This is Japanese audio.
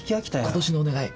今年のお願い。